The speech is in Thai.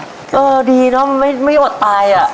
ก็ดีเนอะไม่อดไปอ่ะ